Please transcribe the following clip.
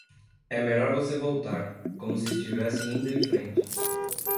É melhor você voltar, como se estivesse indo em frente.